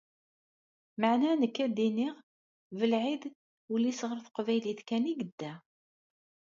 Meɛna nekk a-d-iniɣ : Belɛid, ul-is ɣer teqbaylit kan i yedda.